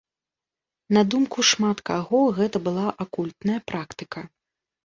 На думку шмат каго, гэта была акультная практыка.